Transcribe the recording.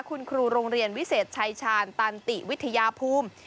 คุณครูโรงเรียนวิเศษชายชาญตันติวิทยาภูมิ